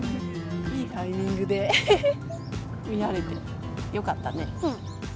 いいタイミングで見られてよかったね。